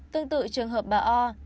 tương tự trường hợp bà o không đúng